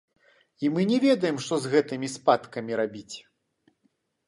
І мы не ведаем, што з гэтымі спадкамі рабіць.